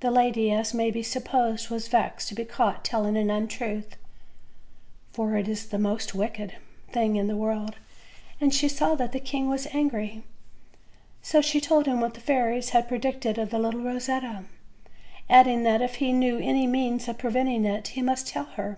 The lady as may be supposed was vexed to be caught telling an untruth (for it is the most wicked OLD, OLD FAIRY TALES. 173 thing in the world), and she saw that the king was angry; so she told him what the fairies had predicted of the little Eosetta; adding, that if he knew any means of pre venting it, he must tell her.